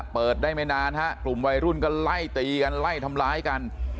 เปิดได้ไม่นานฮะกลุ่มวัยรุ่นก็ไล่ตีกันไล่ทำร้ายกัน